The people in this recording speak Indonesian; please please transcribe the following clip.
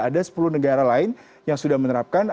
ada sepuluh negara lain yang sudah menerapkan